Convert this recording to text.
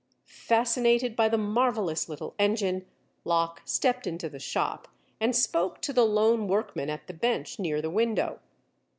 Fascinated by the marvelous little engine, Locke stepped into the shop and spoke to the lone workman at the bench near the window.